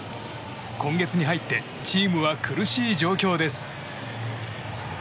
今月に入ってチームは苦しい状況です。